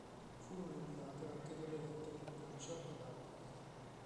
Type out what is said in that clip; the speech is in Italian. Furono inviate anche delle lettere di minaccia ad Albrecht.